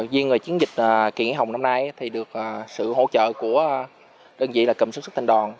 duyên chiến dịch kiện hải hồng năm nay được sự hỗ trợ của đơn vị cầm sức sức thành đòn